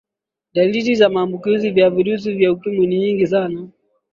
dalili za maambukizi ya virusi vya ukimwi ni nyingi sana